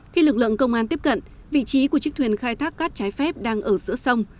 khi lực lượng công an tiếp cận vị trí của chiếc thuyền khai thác cát trái phép đang ở giữa sông